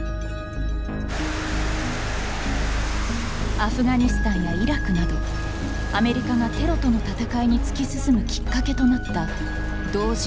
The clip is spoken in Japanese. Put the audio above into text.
アフガニスタンやイラクなどアメリカがテロとの戦いに突き進むきっかけとなった同時多発テロ事件。